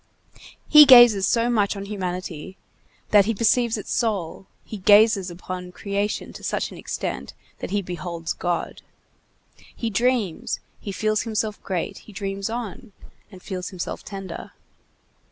He gazes so much on humanity that he perceives its soul, he gazes upon creation to such an extent that he beholds God. He dreams, he feels himself great; he dreams on, and feels himself tender.